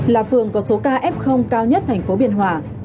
là phường có số ca f cao nhất thành phố biên hòa